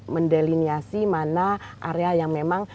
mendeliniasi mana area yang memang